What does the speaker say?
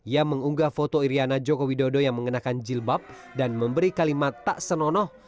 ia mengunggah foto iryana joko widodo yang mengenakan jilbab dan memberi kalimat tak senonoh